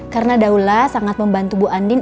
karena daula sangat membantu bu andin